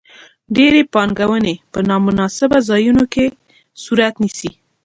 ډېرې پانګونې په نا مناسبو ځایونو کې صورت نیسي.